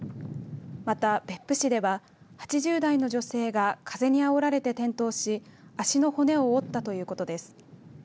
また、別府市では８０代の女性が風にあおられて転倒し足の骨を折ったということです。